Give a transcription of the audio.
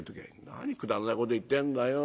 「何くだらないこと言ってんだよ。